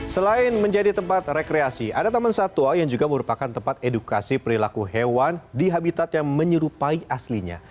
selain menjadi tempat rekreasi ada taman satwa yang juga merupakan tempat edukasi perilaku hewan di habitat yang menyerupai aslinya